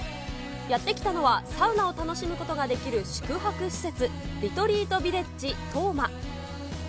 やって来たのは、サウナを楽しむことができる宿泊施設、りとりーとびれっじトーマ。